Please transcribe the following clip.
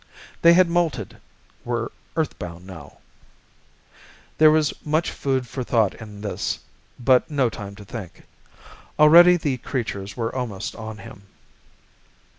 They had molted, were earthbound now. There was much food for thought in this, but no time to think. Already the creatures were almost on him.